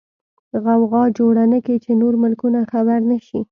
غوغا جوړه نکې چې نور ملکونه خبر نشي.